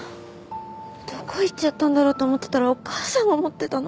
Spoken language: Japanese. どこ行っちゃったんだろうと思ってたらお母さんが持ってたの？